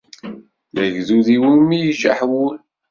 D agdud iwumi i ijaḥ wul.